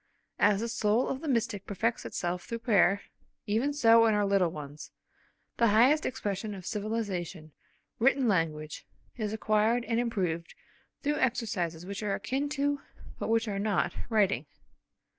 As the soul of the mystic perfects itself through prayer, even so in our little ones, that highest expression of civilisation, written language, is acquired and improved through exercises which are akin to, but which are not, writing.